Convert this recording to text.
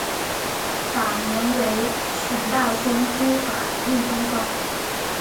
法名为权大僧都法印宗方。